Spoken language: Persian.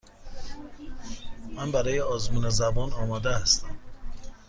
من برای آزمون زبان آماده هستم.